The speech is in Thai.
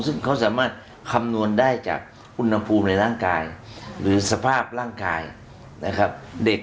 แต่ไม่คำนวณได้จากอุณหภูมิร่างกายหรือสภาพร่างกายนะครับเด็ก